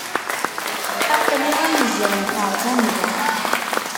Aql-i am uzrem teṛẓa nnda.